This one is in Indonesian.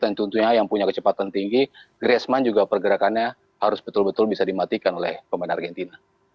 tentunya yang punya kecepatan tinggi graceman juga pergerakannya harus betul betul bisa dimatikan oleh pemain argentina